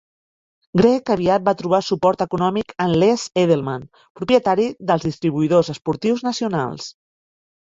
Greg aviat va trobar suport econòmic en Les Edelman, propietari dels Distribuïdors Esportius Nacionals.